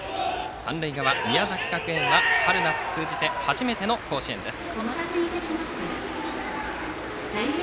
三塁側、宮崎学園は春夏通じて初めての甲子園です。